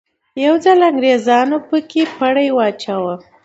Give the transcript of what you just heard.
یو ځل انګریزانو په کې پړی واچاوه.